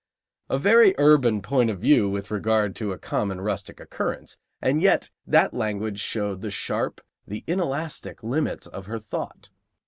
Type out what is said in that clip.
A very urban point of view with regard to a common rustic occurrence, and yet that language showed the sharp, the inelastic limits of her thought.